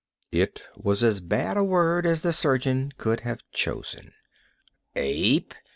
It was as bad a word as the surgeon could have chosen. "Ape!